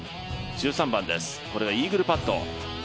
１３番です、イーグルパット。